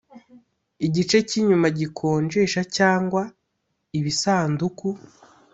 igice cy inyuma gikonjesha cyangwa ibisanduku